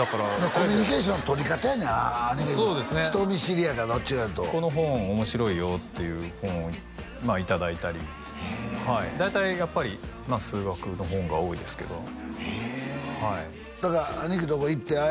コミュニケーションの取り方やねんあれ人見知りやからどっちかっていうとこの本面白いよっていう本をいただいたり大体やっぱり数学の本が多いですけどだから兄貴のとこ行ってああ